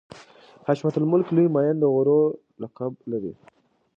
حشمت الملک لوی معین د غرو لقب لري.